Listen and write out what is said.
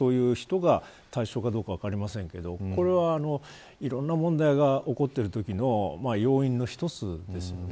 今回そういう人が対象か分かりませんけどいろいろな問題が起こっているときの要因の一つです。